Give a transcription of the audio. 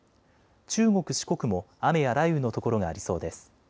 中国、四国も雨や雷雨の所がありそうです。